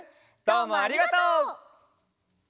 どうもありがとう！